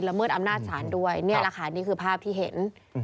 เมิดอำนาจศาลด้วยนี่แหละค่ะนี่คือภาพที่เห็น